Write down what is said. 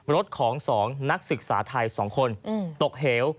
รถของสองนักศึกษาไทยสองคนอืมตกเหว